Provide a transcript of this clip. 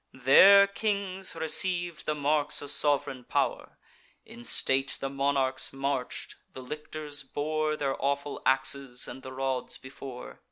There kings receiv'd the marks of sov'reign pow'r; In state the monarchs march'd; the lictors bore Their awful axes and the rods before.